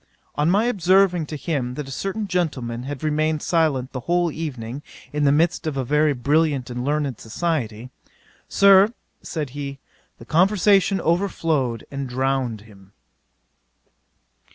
On my observing to him that a certain gentleman had remained silent the whole evening, in the midst of a very brilliant and learned society, "Sir, (said he,) the conversation overflowed, and drowned him."